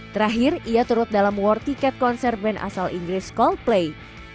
terakhir ia turut dalam war ticket konser band asal inggris coldplay